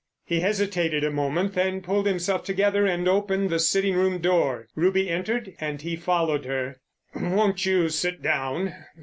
He hesitated a moment, then pulled himself together and opened the sitting room door. Ruby entered and he followed her. "Won't you sit down?